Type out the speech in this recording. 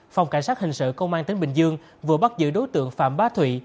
phòng cảnh sát hình sự công an tỉnh bình dương vừa bắt giữ đối tượng phạm bá thụy